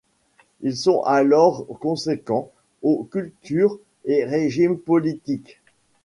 Ils sont alors conséquents aux cultures et régimes politiques.